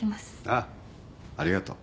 あっありがとう。